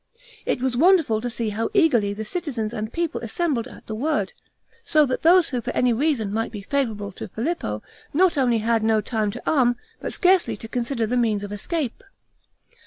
It was wonderful to see how eagerly the citizens and people assembled at the word; so that those who for any reason might be favorable to Filippo, not only had no time to arm, but scarcely to consider the means of escape.